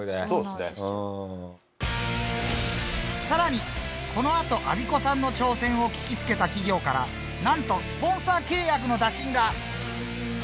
更にこのあとアビコさんの挑戦を聞きつけた企業からなんとスポンサー契約の打診が！